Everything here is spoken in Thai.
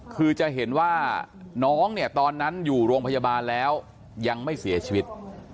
คือจะเห็นว่าน้องเนี่ยตอนนั้นอยู่โรงพยาบาลแล้วยังไม่เสียชีวิต